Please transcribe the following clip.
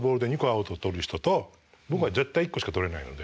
アウトを取る人と僕は絶対１個しか取れないので。